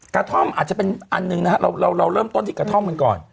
กระท่อมอาจจะเป็นอันหนึ่งนะฮะเราเริ่มต้นที่กระท่อมกันก่อน